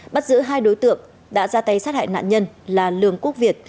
bắt giữ hai đối tượng đã ra tay sát hại nạn nhân là lường quốc việt